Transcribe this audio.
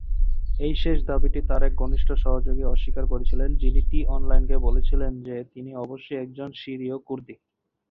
এই শেষ দাবিটি তার এক ঘনিষ্ঠ সহযোগী অস্বীকার করেছিলেন, যিনি "টি-অনলাইনকে" বলেছিলেন যে তিনি অবশ্যই একজন সিরীয় কুর্দি।